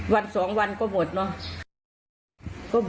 วัน๒วันก็หมดเนอะ